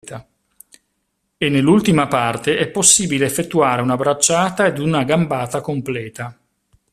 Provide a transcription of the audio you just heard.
E nell'ultima parte è possibile effettuare una bracciata ed una gambata completa.